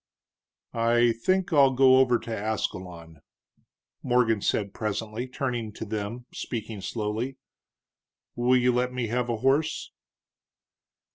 "I think I'll go over to Ascalon," Morgan said presently, turning to them, speaking slowly. "Will you let me have a horse?"